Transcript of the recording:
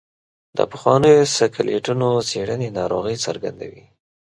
د پخوانیو سکلیټونو څېړنې ناروغۍ څرګندوي.